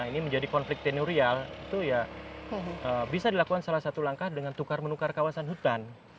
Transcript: ini menjadi konflik tenurial itu ya bisa dilakukan salah satu langkah dengan tukar menukar kawasan hutan